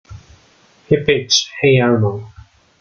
He pitched Hey Arnold!